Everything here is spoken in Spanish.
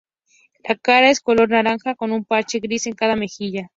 La cara es color naranja con un parche gris en cada mejilla.